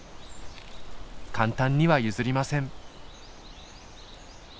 簡単には譲りません。